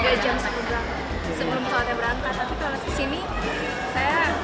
bermanfaat banget sih